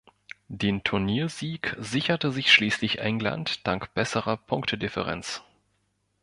Den Turniersieg sicherte sich schließlich England dank besserer Punktedifferenz.